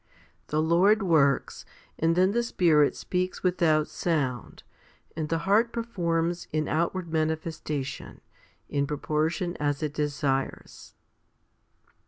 The Lord works, and then the Spirit speaks without sound, and the heart performs in outward manifestation, in proportion as it desires.